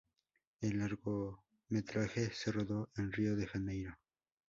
El largometraje se rodó en Rio de Janeiro